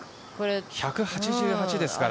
１８８ですから。